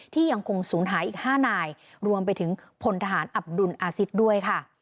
ยังคงศูนย์หายอีก๕นายรวมไปถึงพลทหารอับดุลอาซิตด้วยค่ะ